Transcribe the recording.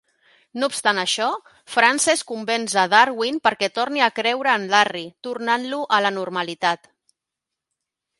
No obstant això, Frances convenç a Darwin perquè torni a creure en Larry, tornant-lo a la normalitat.